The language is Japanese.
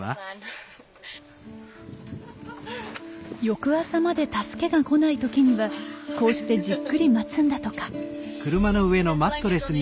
翌朝まで助けが来ない時にはこうしてじっくり待つんだとか。